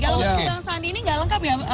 kalau bang sandi ini tidak lengkap ya